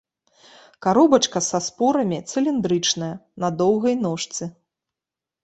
Каробачка са спорамі цыліндрычная, на доўгай ножцы.